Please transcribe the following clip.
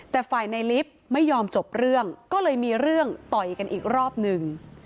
แต่ฝ่ายในลิฟต์ไม่ยอมจบเรื่องก็เลยมีเรื่องต่อยกันอีกรอบหนึ่ง